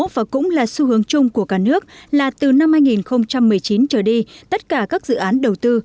và cũng là xu hướng chung của cả nước là từ năm hai nghìn một mươi chín trở đi tất cả các dự án đầu tư